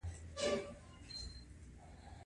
د اشتراکي ژوند له منځه تلل پیل شول.